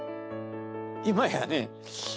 今やね